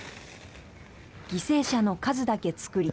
犠牲者の数だけ作り